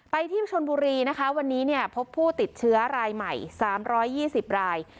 ที่ชนบุรีนะคะวันนี้เนี่ยพบผู้ติดเชื้อรายใหม่๓๒๐ราย